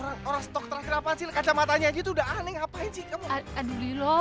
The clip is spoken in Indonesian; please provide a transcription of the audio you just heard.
nailah beneran cinta sama lilo